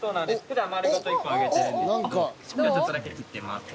普段丸ごと１個あげてるんですけど今日ちょっとだけ切ってます。